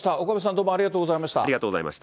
岡部さん、どうもありがとうございました。